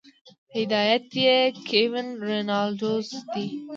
هدايتکار ئې Kevin Reynolds دے